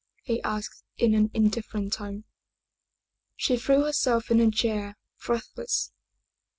he asked in an indifferent tone. She threw herself into a chair, breathless.